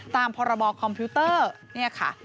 ตามพรบคอมพิวเตอร์เนี่ยค่ะ